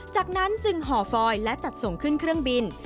จากนั้นจึงห่อฟอยและจัดส่งขึ้นเครื่องบิน